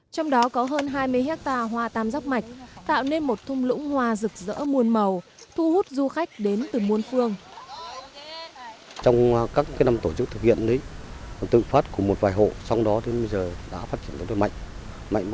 trong đó có hơn hai mươi hectare hoa tam sắc mạch tạo nên một thung lũng hoa rực rỡ muôn màu